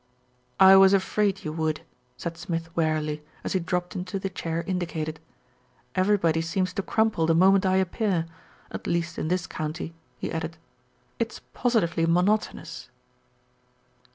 "I was afraid you would," said Smith wearily, as he dropped into the chair indicated. "Everybody seems to crumple the moment I appear, at least in this county," he added. "It's positively monotonous."